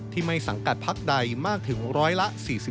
ไม่สังกัดพักใดมากถึงร้อยละ๔๕